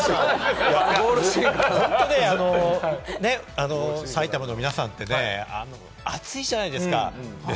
本当にもう、埼玉の皆さんって熱いじゃないですか。